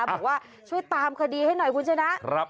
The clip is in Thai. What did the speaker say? บอกว่าช่วยตามคดีให้หน่อยคุณชนะ